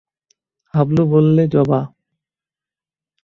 হাবলু বললে, জবা।